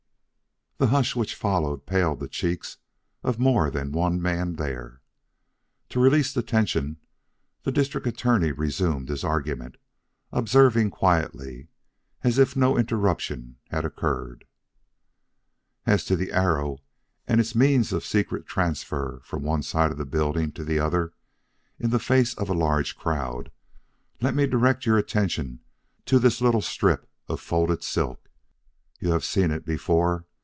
The hush which followed paled the cheeks of more than one man there. To release the tension, the District Attorney resumed his argument, observing quietly, and as if no interruption had occurred: "As to the arrow and its means of secret transfer from one side of the building to the other in the face of a large crowd, let me direct your attention to this little strip of folded silk. You have seen it before.